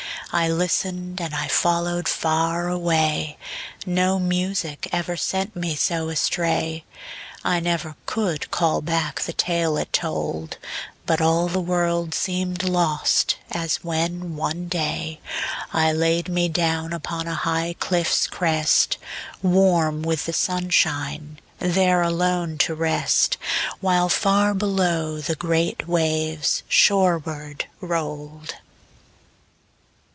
I listened, and I followed far away No music ever sent me so astray, I never could call back the tale it told, But all the world seemed lost, as when, one day, I laid me down upon a high cliff's crest, Warm with the sunshine, there alone to rest, While far below the great waves shoreward rolled.